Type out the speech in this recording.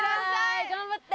頑張って！